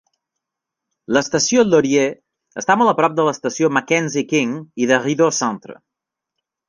L'estació Laurier està molt a prop de l'estació Mackenzie King i de Rideau Centre.